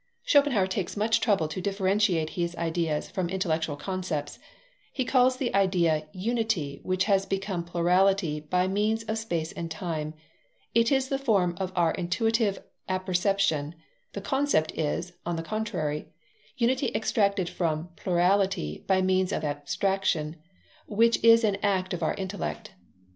Schopenhauer takes much trouble to differentiate his ideas from intellectual concepts. He calls the idea "unity which has become plurality by means of space and time. It is the form of our intuitive apperception. The concept is, on the contrary, unity extracted from plurality by means of abstraction, which is an act of our intellect.